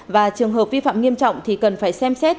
và trường hợp vi phạm nghiêm trọng thì cần phải xem xét